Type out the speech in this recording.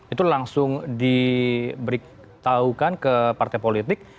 itu langsung diberitahukan ke partai politik